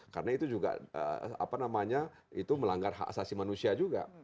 karena itu juga melanggar hak asasi manusia juga